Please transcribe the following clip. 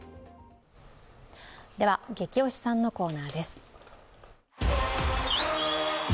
では「ゲキ推しさん」のコーナーです。